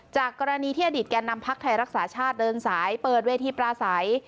จากกรณีที่อดีตแก่นำพักไทยรักษาชาติเดินสายเปิดเวทีปลาใส